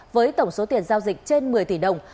với tổng số tiền giao dịch trên một mươi tỷ đồng